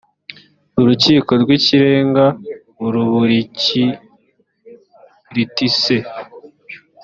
urukiko rw ikirenga urubrkirtse